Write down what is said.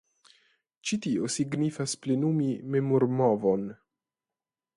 Ĉi tio signifas plenumi memormovon.